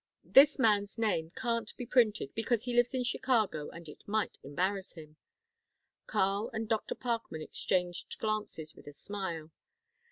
"This man's name can't be printed, because he lives in Chicago and it might embarrass him," Karl and Dr. Parkman exchanged glances with a smile.